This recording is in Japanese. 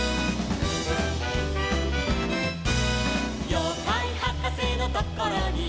「ようかいはかせのところに」